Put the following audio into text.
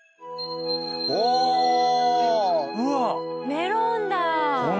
メロンだ！